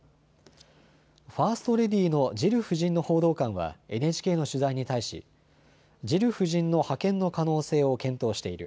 ファーストレディーのジル夫人の報道官はＮＨＫの取材に対しジル夫人の派遣の可能性を検討している。